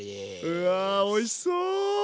うわおいしそう！